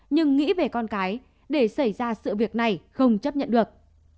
nhưng nghĩ về con cái để xảy ra sự việc này không chấp nhận được